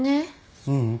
ううん。